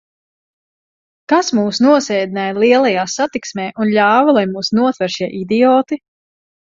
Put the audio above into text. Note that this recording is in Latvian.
Kas mūs nosēdināja lielajā satiksmē un ļāva, lai mūs notver šie idioti?